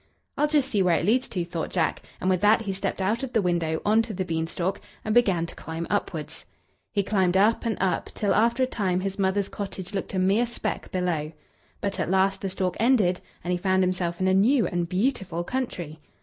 "I'll just see where it leads to," thought Jack, and with that he stepped out of the window on to the beanstalk, and began to climb upwards. He climbed up and up, till after a time his mother's cottage looked a mere speck below, but at last the stalk ended, and he found himself in a new and beautiful country.